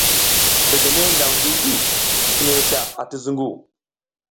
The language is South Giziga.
Begene nang ndiwding fine sla ati zungu.